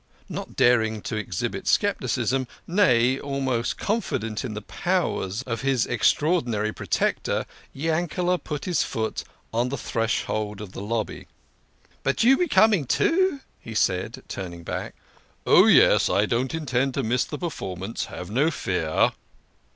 Not daring to exhibit scepticism nay, almost confident in the powers of his extraordinary protector, Yankele put his foot on the threshold of the lobby. "But you be coming, too?" he said, turning back. "Oh, yes, I don't intend to miss the performance. Have no fear."